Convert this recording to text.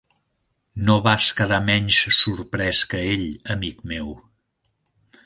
No vas quedar menys sorprès que ell, amic meu.